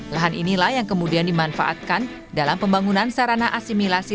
lahan inilah yang kemudian dimanfaatkan dalam pembangunan sarana asimilasi